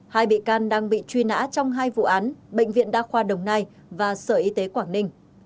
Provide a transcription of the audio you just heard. hai bị can đang bị truy nã trong hai vụ án bệnh viện đa khoa đồng nai và sở y tế quảng ninh